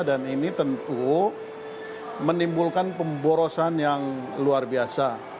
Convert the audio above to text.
dan ini tentu menimbulkan pemborosan yang luar biasa